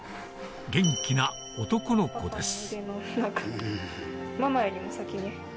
元気な男の子です